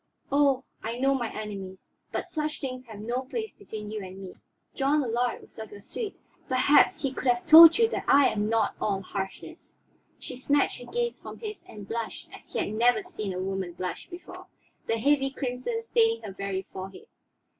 "Oh, I know my enemies. But such things have no place between you and me. John Allard was of your suite; perhaps he could have told you that I am not all harshness." She snatched her gaze from his and blushed as he had never seen a woman blush before, the heavy crimson staining her very forehead.